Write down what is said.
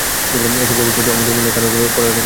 এসব কাজ তো মনে হয় আমাদের করার কথা ছিল না!